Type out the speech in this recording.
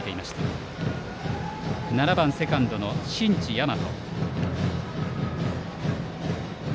バッターは７番セカンドの新地大和。